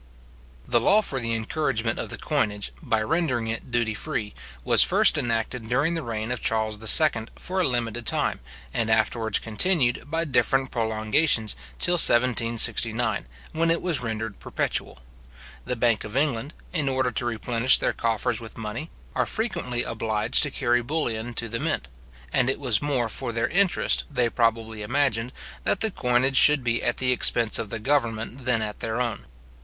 The law for the encouragement of the coinage, by rendering it duty free, was first enacted during the reign of Charles II. for a limited time, and afterwards continued, by different prolongations, till 1769, when it was rendered perpetual. The bank of England, in order to replenish their coffers with money, are frequently obliged to carry bullion to the mint; and it was more for their interest, they probably imagined, that the coinage should be at the expense of the government than at their own.